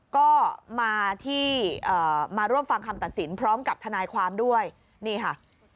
ก็มาที่มาร่วมฟังคำตัดสินพร้อมกับทนายความด้วยนี่ค่ะ